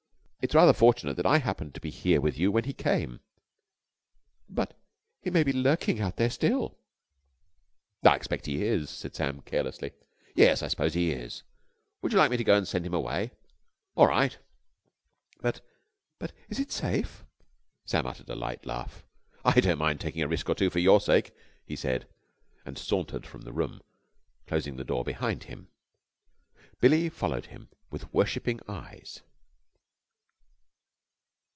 It's rather fortunate that I happened to be here with you when he came." "But he may be lurking out there still!" "I expect he is," said Sam carelessly. "Yes, I suppose he is. Would you like me to go and send him away? All right." "But but is it safe?" Sam uttered a light laugh. "I don't mind taking a risk or two for your sake," he said, and sauntered from the room, closing the door behind him. Billie followed him with worshipping eyes.